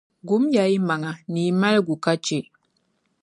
Gum ya yi maŋa, ni yi maligu ka chɛ